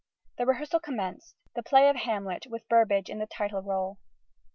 The rehearsal commenced the play of Hamlet, with Burbage in the title rôle.